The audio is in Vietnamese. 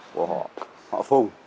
của họ phùng